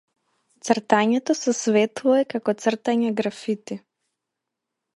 Цртањето со светло е како цртање графити.